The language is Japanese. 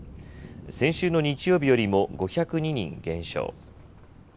先週の日曜日よりも５０２人減少。